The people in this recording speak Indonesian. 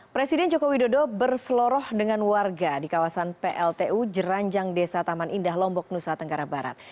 presiden joko widodo berseloroh dengan warga di kawasan pltu jeranjang desa taman indah lombok nusa tenggara barat